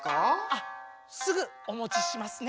あっすぐおもちしますね。